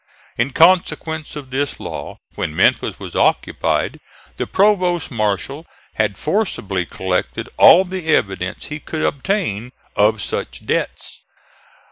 In consequence of this law, when Memphis was occupied the provost marshal had forcibly collected all the evidences he could obtain of such debts.